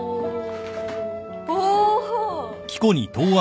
お！